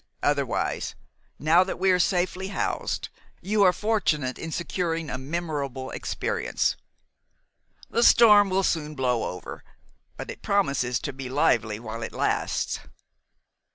Otherwise, now that we are safely housed, you are fortunate in securing a memorable experience. The storm will soon blow over; but it promises to be lively while it lasts."